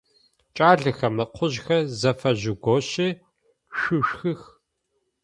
Кӏалэхэр, мы къужъхэр зэфэжъугощи, шъушхых!